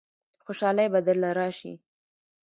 خوشالۍ به درله رايشي.